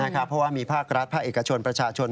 เพราะว่ามีภาครัฐภาคเอกชนประชาชน